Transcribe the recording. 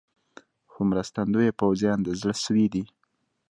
خو مرستندویه پوځیان د زړه سوي دي.